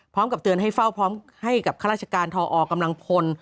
เตือนให้เฝ้าพร้อมให้กับข้าราชการทอกำลังพล